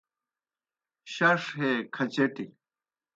شݜ ہے کھچٹیْ